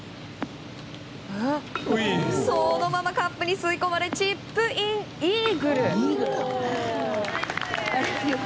そのままカップに吸い込まれチップインイーグル。